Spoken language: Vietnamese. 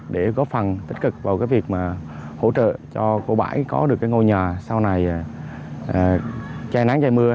để góp phần tích cực vào cái việc mà hỗ trợ cho cổ bãi có được cái ngôi nhà sau này che nắng che mưa